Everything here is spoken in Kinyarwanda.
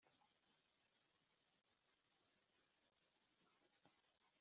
Inama y Igihugu irebererwa na Minisiteri ifite ubuzima